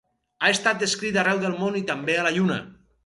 Ha estat descrit arreu del món i també a la Lluna.